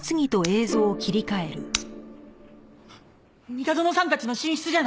三田園さんたちの寝室じゃない？